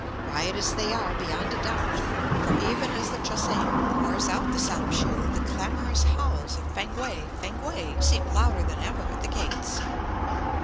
Riotous they are, beyond a doubt, for even as the Che hsein pours out the samshoo the clamorous howls of "Fankwae. Fankwae." seem louder than ever at the gates.